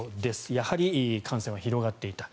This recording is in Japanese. やはり感染は広がっていた。